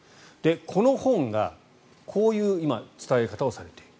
この本がこういう今伝え方をされている。